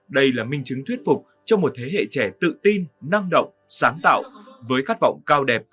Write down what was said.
đây là minh chứng thuyết phục cho một thế hệ trẻ tự tin năng động sáng tạo với khát vọng cao đẹp